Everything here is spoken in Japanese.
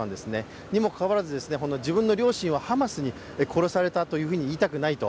それにもかかわらず、自分の両親はハマスに殺されたと言いたくないと。